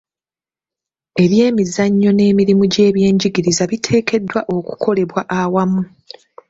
Eby'emizannyo n'emirimu gy'ebyenjigiriza biteekeddwa okukolebwa awamu.